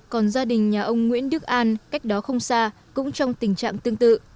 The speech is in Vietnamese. còn gia đình nhà ông nguyễn đức an cách đó không xa cũng trong tình trạng tương tự